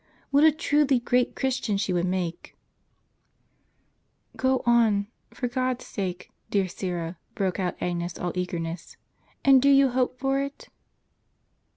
What a truly great Christian she would make !"" Go on, for G od's sake, dear Syra," broke out Agnes, all eagerness. " And do you hope for it